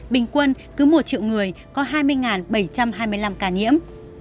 bình quân cứ một triệu người có hai mươi bảy trăm hai mươi năm ca nhiễm